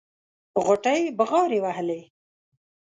غوټۍ بغاري وهلې.